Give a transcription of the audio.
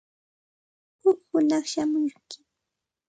Huk hunaq shamunki.